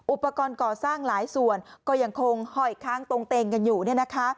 อุปกรณ์ก่อสร้างหลายส่วนก็ยังคงหอยค้างตรงเตงกันอยู่เนี่ยนะคะ